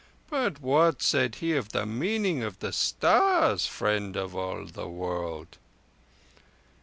But what said he of the meaning of the stars, Friend of all the World?"